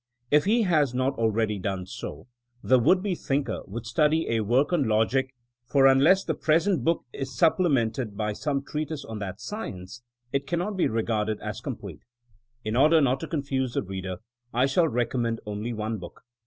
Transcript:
If he has not already done so the would be thinker should study a work on logic, for unless the present book is supplemented by some treatise on that science it cannot be regarded as complete. In order not to confuse the reader I shall rec ommend only one book.